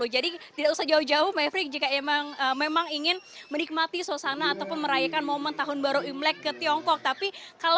tidak usah jauh jauh mevri jika memang ingin menikmati suasana ataupun merayakan momen tahun baru imlek ke tiongkok